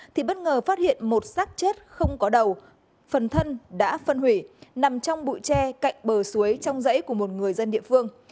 thì bất ngờ phát hiện một sát chết không có phần thân đã phân hủy nằm trong bụi tre cạnh bờ suối trong dãy của một người dân địa phương